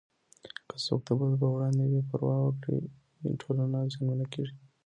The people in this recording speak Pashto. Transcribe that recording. که څوک د بدو په وړاندې بې پروايي وکړي، ټولنه زیانمنه کېږي.